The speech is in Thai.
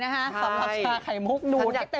สำหรับชาไข่มุกนูนที่เต็มปอก